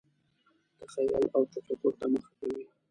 تخیل او تفکر ته مخه کوي.